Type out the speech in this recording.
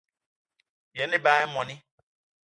Yen ebag í moní